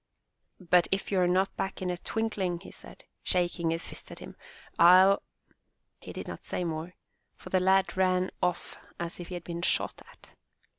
''But if you are not back in a twinkling,'' he said, shaking his fist at him, "FU— " He did not say more, for the lad ran off as if he had been shot at.